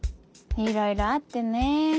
いろいろあってね。